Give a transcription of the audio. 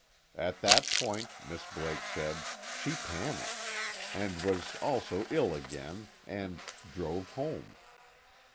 At that point, Miss Blake said, she panicked, and was also ill again, and drove home.